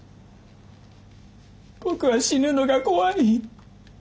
僕は死ぬのが怖い。